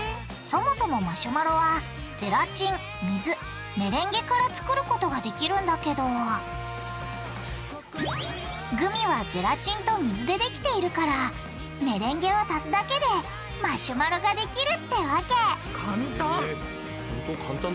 そもそもマシュマロはゼラチン水メレンゲから作ることができるんだけどグミはゼラチンと水でできているからメレンゲを足すだけでマシュマロができるってわけ簡単。